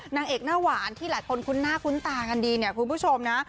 นางเอกหน้าหวานที่หลายคนคุ้นหน้าคุ้นตากันดีเนี่ยคุณผู้ชมนะ